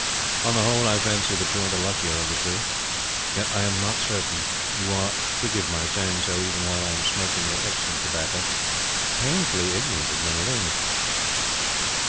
On the whole, I fancy that you are the luckier of the two. Yet I am not certain. You are forgive my saying so even while I am smoking your excellent tobacco painfully ignorant of many things."